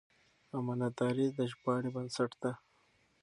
امانتداري د ژباړې بنسټ دی.